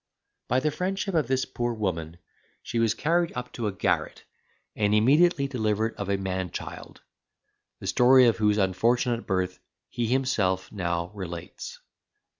By the friendship of this poor woman she was carried up to a garret, and immediately delivered of a man child, the story of whose unfortunate birth he himself now relates.